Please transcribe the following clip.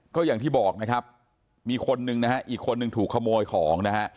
ก็อย่างที่บอกนะครับมีคนนึงนะฮะอีกคนนึงถูกขโมยของนะฮะ